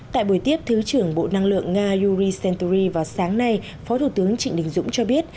tại buổi tiếp thứ trưởng bộ năng lượng nga yuri sentori vào sáng nay phó thủ tướng trịnh đình dũng cho biết